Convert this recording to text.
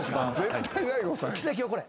奇跡起これ。